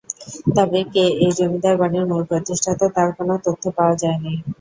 তবে কে এই জমিদার বাড়ির মূল প্রতিষ্ঠাতা তার কোন তথ্য পাওয়া যায়নি।